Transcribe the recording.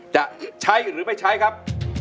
จะใช้หรือไม่ใช้ครับ